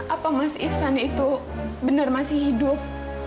apa mas isan itu benar masih hidup